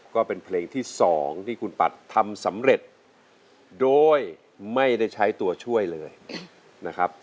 ก็เป็นเพลงที่๒ที่คุณปัดทำสำเร็จโดยไม่ได้ใช้ตัวช่วยเลยนะครับ